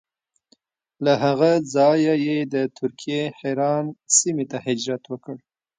له هغه ځایه یې د ترکیې حران سیمې ته هجرت وکړ.